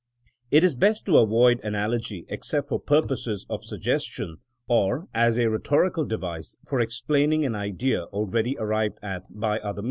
'^ It is best to avoid analogy except for purposes of suggestion, or as a rhetorical device for explaining an idea al ready arrived at by other means.